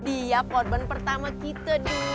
iya porban pertama kita nih